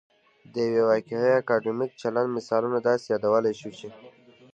د یو واقعي اکادمیک چلند مثالونه داسې يادولای شو چې